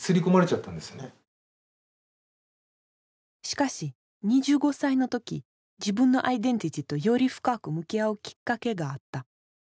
しかし２５歳の時自分のアイデンティティーとより深く向き合うきっかけがあった。